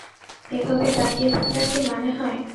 এভাবে তাকিয়ে থাকার কি মানে হয়?